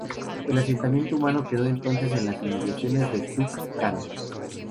El asentamiento humano quedó entonces en las inmediaciones de "Tuk Caan".